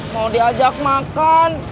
mau diajak makan